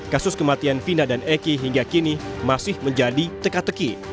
kasus kematian vina dan eki hingga kini masih menjadi teka teki